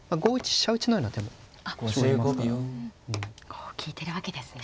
こう利いてるわけですね。